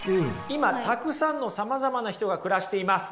今たくさんのさまざまな人が暮らしています。